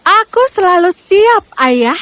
aku selalu siap ayah